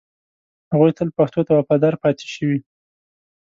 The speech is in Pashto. هغوی تل پښتو ته وفادار پاتې شوي